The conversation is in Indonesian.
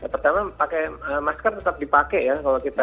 pertama pakai masker tetap dipakai ya kalau kita